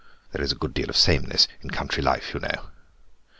There is a good deal of sameness in country life, you know."